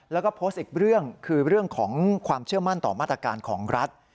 แล้วก็โพสต์อีกเรื่องคือเรื่องของความเชื่อมั่นต่อมาตรการของรัฐ